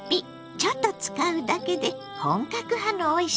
ちょっと使うだけで本格派のおいしさだったわ。